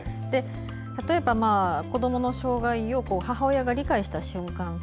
例えば子どもの障害を母親が理解した瞬間